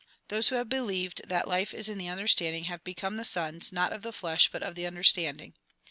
Those who have be lieved that life is in the understanding have become the sons, not of the flesh, but of the understanding.